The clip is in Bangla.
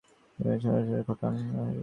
তিনি চিকিৎসা পেশায় মনোনিবেশ ঘটান।